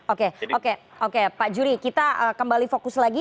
oke oke oke pak jury kita kembali fokus lagi